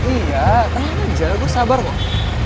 iya tenang aja gue sabar kok